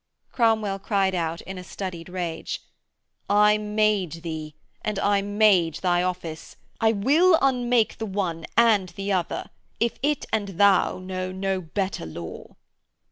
Cromwell cried out, in a studied rage: 'I made thee and I made thy office: I will unmake the one and the other if it and thou know no better law.'